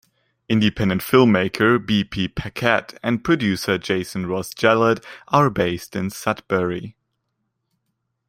Independent filmmaker B. P. Paquette and producer Jason Ross Jallet are based in Sudbury.